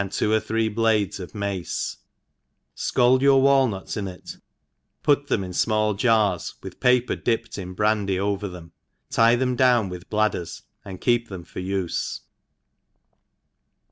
two or three blades of mace, fcald your walnuts in it, put •them in fmall jars, with paper dipped in brandy 5 over ENGLISH HOUSE KEEPER. Sf^ over them, tie them down with bladders^ and keep them for ufe.